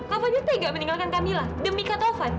kak fadil tidak meninggalkan kamila demi katovan